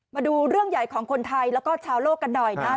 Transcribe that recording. มาดูเรื่องใหญ่ของคนไทยแล้วก็ชาวโลกกันหน่อยนะครับ